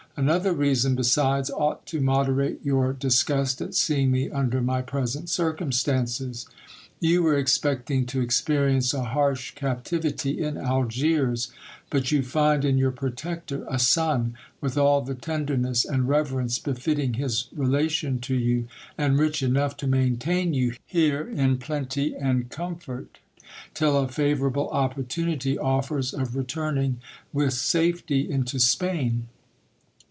Another reason besides ought to moderate your dis gust at seeing me under my present circumstances. You were expecting to ex perience a harsh captivity in Algiers, but you find in your protector a son, with all the tenderness and reverence befitting his relation to you, and rich enough to maintain you here in plenty and comfort, till a favourable opportunity offers of returning with safety into Spain.